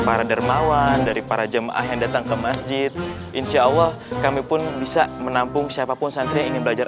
para jemaah yang datang ke masjid insyaallah kami pun bisa menampung siapapun santri ingin belajar